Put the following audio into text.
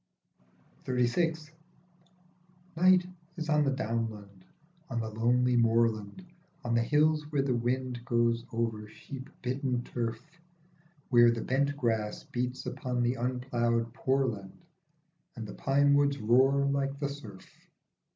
39 XXXVI. NIGHT is on the downland, on the lonely moorland, On the hills where the wind goes over sheep bitten turf, Where the bent grass beats upon the un ploughed poorland And the pine woods roar like the surf.